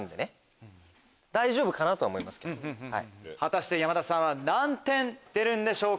果たして山田さんは何点出るんでしょうか？